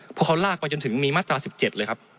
เพราะเขาลากไปจนถึงมีมาตรา๑๗เลยครับ